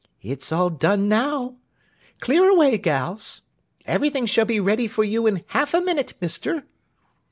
'It's all done now. Clear away, gals. Everything shall be ready for you in half a minute, Mister.